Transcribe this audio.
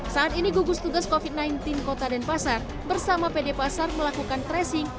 saat ini gugus tugas covid sembilan belas kota denpasar bersama pd pasar melakukan tracing